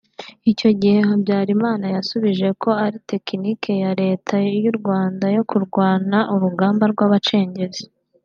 Icyo gihe Habyalimana yasubije ko ari tekinike ya Leta y’ u Rwanda yo kurwana urugamba rw’ abacengezi